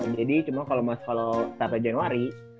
jadi kalau mas kalau start nya januari